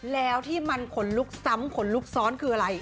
แล้วที่มันขนลุกซ้ำขนลุกซ้อนคืออะไร